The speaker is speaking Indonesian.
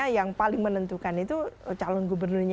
yang paling menentukan itu calon gubernurnya